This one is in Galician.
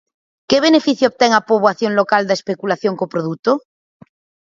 Que beneficio obtén a poboación local da especulación co produto?